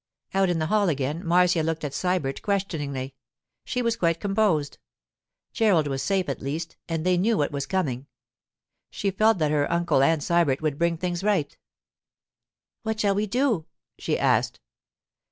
Out in the hall again, Marcia looked at Sybert questioningly; she was quite composed. Gerald was safe at least, and they knew what was coming. She felt that her uncle and Sybert would bring things right. 'What shall we do?' she asked.